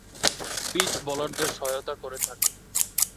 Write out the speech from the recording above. Pitch বোলারদের সহায়তা করে থাকে।